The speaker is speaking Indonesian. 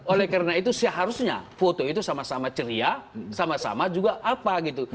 oleh karena itu seharusnya foto itu sama sama ceria sama sama juga apa gitu